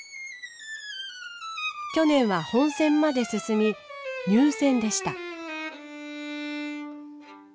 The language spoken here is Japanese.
去年は本選まで進み入選でした。